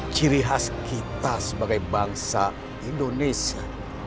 ciri khas kita sebagai bangsa indonesia